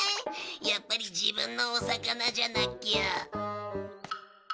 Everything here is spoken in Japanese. やっぱり自分のお魚じゃなきゃ。